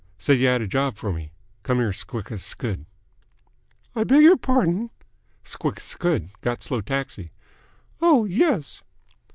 Said y'ad job f'r me. Came here squick scould." "I beg your pardon?" "Squick scould. Got slow taxi." "Oh, yes."